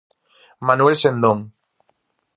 Manuel Sendón.